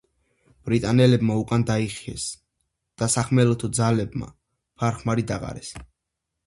ბრიტანელებმა უკან დაიხიეს და სახმელეთო ძალებმა ფარ-ხმალი დაყარეს.